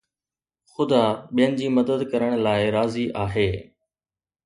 خدا ٻين جي مدد ڪرڻ لاء راضي آهي